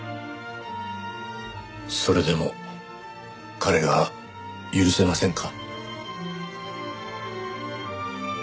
それでも彼が許せませんか？